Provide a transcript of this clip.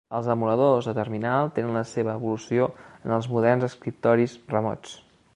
Els emuladors de terminal tenen la seva evolució en els moderns escriptoris remots.